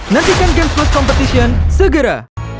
nantikan games plus competition segera